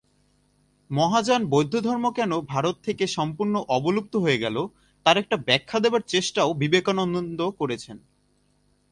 মহাযান বৌদ্ধধর্ম কেন ভারত থেকে সম্পূর্ণ অবলুপ্ত হয়ে গেল, তার একটা ব্যাখ্যা দেবার চেষ্টাও বিবেকানন্দ করেছেন।